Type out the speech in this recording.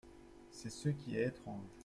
C'est ce qui est étrange.